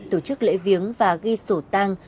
tổ chức lễ viếng và ghi sổ tang